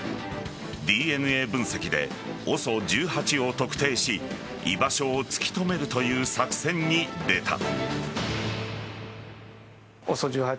ＤＮＡ分析でＯＳＯ１８を特定し居場所を突き止めるという作戦に出た。